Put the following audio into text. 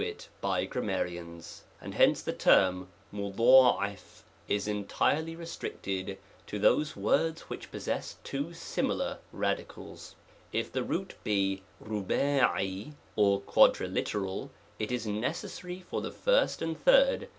(a it by grammarians; and hence the term a* is entirely restricted to those words which '9 possess two similar radicals. If the root be ^^ or quadriliteral, it is necessary that the first and third.